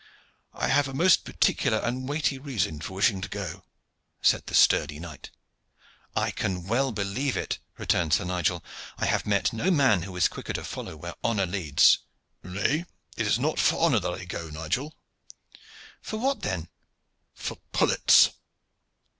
"I have a most particular and weighty reason for wishing to go," said the sturdy knight. "I can well believe it," returned Sir Nigel; "I have met no man who is quicker to follow where honor leads." "Nay, it is not for honor that I go, Nigel." "For what then?" "For pullets."